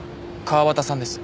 川端さんです。